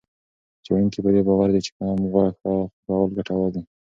څېړونکي په دې باور دي چې کم غوښه کول ګټور دي.